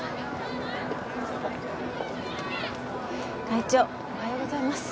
会長おはようございます。